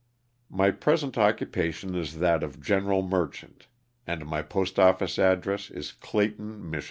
My present occupation is that of general merchant, and my post office address is Clayton, Mich.